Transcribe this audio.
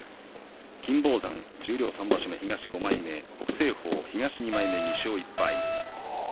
金峰山は十両３場所目東５枚目、北青鵬は東２枚目。